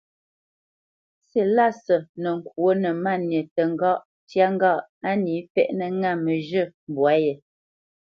Silásə nə́ ŋkwǒ nə́ Máni tə ŋgáʼ ntyá ŋgâʼ á nǐ fɛ́ʼnə̄ ŋâ məzhə̂ mbwǎ yé.